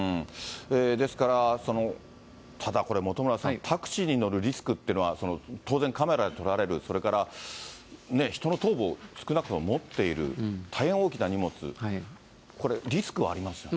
ですから、ただこれ、本村さん、タクシーに乗るリスクっていうのは、当然カメラで撮られる、それから人の頭部を少なくとも持っている、大変大きな荷物、これリスクはありますよね。